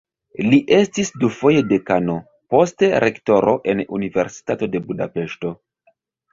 Li estis dufoje dekano, poste rektoro en Universitato de Budapeŝto.